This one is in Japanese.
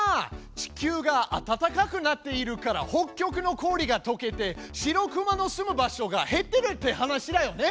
地球が暖かくなっているから北極の氷がとけて白くまの住む場所が減ってるって話だよね。